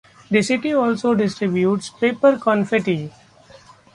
The city also distributes paper confetti.